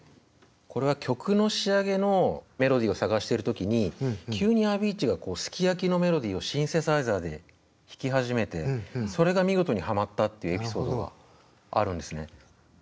これは曲の仕上げのメロディーを探してる時に急にアヴィーチーが「ＳＵＫＩＹＡＫＩ」のメロディーをシンセサイザーで弾き始めてそれが見事にはまったっていうエピソードがあるんですね。